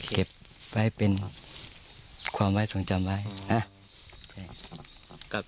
เข้าใจเป็นความร่ายทรงจำนะ